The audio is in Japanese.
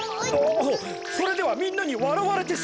ああそれではみんなにわらわれてしまう。